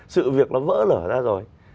sự việc nó vỡ lở ra rồi